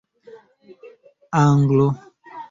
Anglo